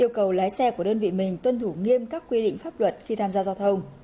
yêu cầu lái xe của đơn vị mình tuân thủ nghiêm các quy định pháp luật khi tham gia giao thông